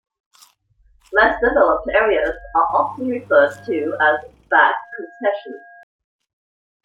Less developed areas are often referred to as "back concessions".